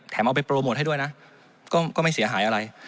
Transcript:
เอาไปโปรโมทให้ด้วยนะก็ไม่เสียหายอะไร